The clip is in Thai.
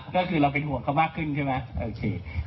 ก็คือเราเป็นห่วงเขามากขึ้นใช่ไหมโอเค